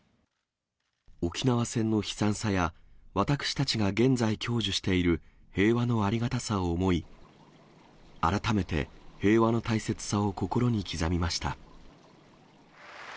沖縄戦の悲惨さや、私たちが現在享受している平和のありがたさを思い、改めて、平和の大切さを心に刻みました。